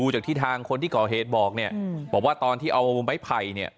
จากที่ทางคนที่ก่อเหตุบอกเนี่ยบอกว่าตอนที่เอาไม้ไผ่เนี่ย